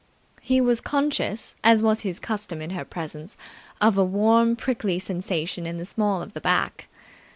He was conscious, as was his custom in her presence, of a warm, prickly sensation in the small of the back.